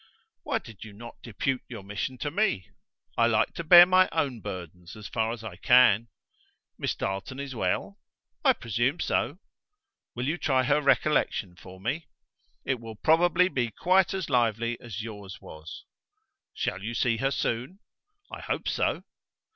"Why did you not depute your mission to me?" "I like to bear my own burdens, as far as I can." "Miss Darleton is well?" "I presume so." "Will you try her recollection for me?" "It will probably be quite as lively as yours was." "Shall you see her soon?" "I hope so."